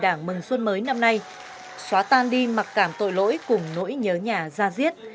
đảng mừng xuân mới năm nay xóa tan đi mặc cảm tội lỗi cùng nỗi nhớ nhà ra diết